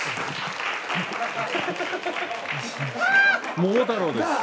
桃太郎です。